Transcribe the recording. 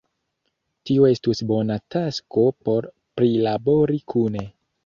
tio estus bona tasko por prilabori kune.